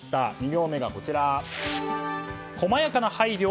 ２行目が細やかな配慮？